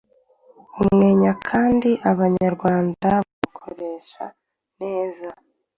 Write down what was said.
umwenya kandi abanyarwanda bawukoresha neza